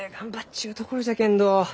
ちゅうところじゃけんど。